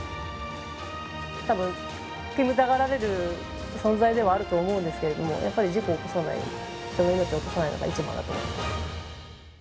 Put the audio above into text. たぶん、煙たがられる存在ではあると思うんですけれども、やっぱり事故を起こさない、人の命を落とさないのが一番だと思います。